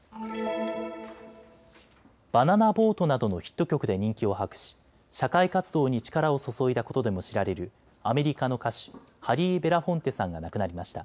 バナナ・ボートなどのヒット曲で人気を博し社会活動に力を注いだことでも知られるアメリカの歌手、ハリー・ベラフォンテさんが亡くなりました。